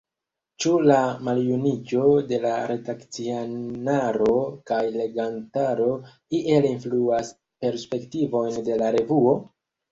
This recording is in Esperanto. Ĉu la maljuniĝo de la redakcianaro kaj legantaro iel influas perspektivojn de la revuo?